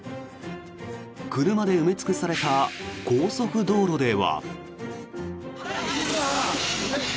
車で埋め尽くされた高速道路では。